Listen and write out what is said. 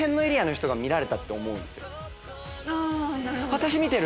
「私見てる！」